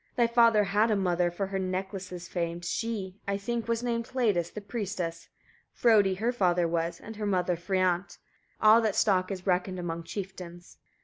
14. Thy father had a mother, for her necklaces famed, she, I think, was named Hledis the priestess; Frodi her father was, and her mother Friant: all that stock is reckoned among chieftains.